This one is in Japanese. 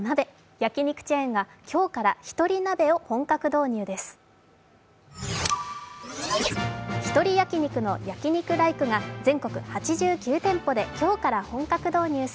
焼き肉チェーンが今日からひとり鍋を本格導入です。